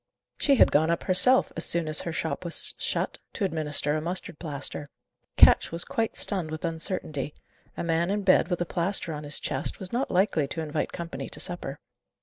She had gone up herself, as soon as her shop was shut, to administer a mustard plaster. Ketch was quite stunned with uncertainty. A man in bed, with a plaster on his chest, was not likely to invite company to supper.